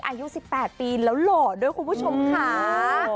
อายุ๑๘ปีแล้วหล่อด้วยคุณผู้ชมค่ะ